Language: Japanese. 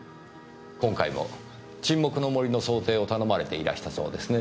今回も『沈黙の森』の装丁を頼まれていらしたそうですね？